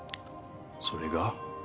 それが？